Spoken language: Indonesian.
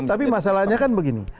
tapi masalahnya kan begini